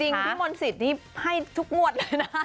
จริงพี่มลศิษย์ที่ให้ทุกมวดเลยนะ